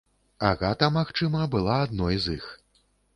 Агата, магчыма, была адной з іх.